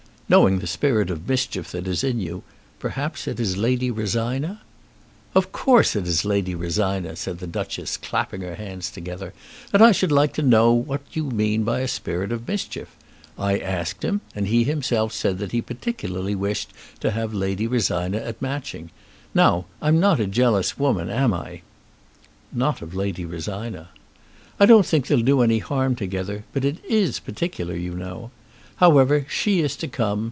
"Knowing the spirit of mischief that is in you, perhaps it is Lady Rosina." "Of course it is Lady Rosina," said the Duchess, clapping her hands together. "And I should like to know what you mean by a spirit of mischief! I asked him, and he himself said that he particularly wished to have Lady Rosina at Matching. Now, I'm not a jealous woman, am I?" "Not of Lady Rosina." "I don't think they'll do any harm together, but it is particular, you know. However, she is to come.